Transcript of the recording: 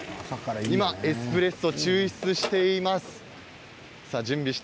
エスプレッソ抽出しています。